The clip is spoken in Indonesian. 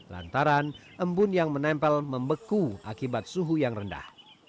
lantaran embun yang menempel membeku akibat suhu yang rendah